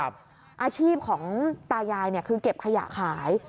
อาชีพของตายายคือเก็บขยะขาย